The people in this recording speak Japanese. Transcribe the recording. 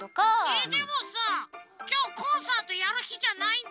でもさきょうコンサートやるひじゃないんだけど。